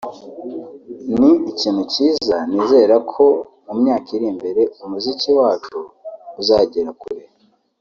ni ikintu cyiza nizera ko mu myaka iri imbere umuziki wacu uzagera kure